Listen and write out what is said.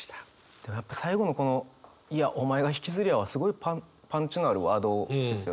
でもやっぱ最後のこの「いや、おまえが引き摺れや！」はすごいパンチのあるワードですよね。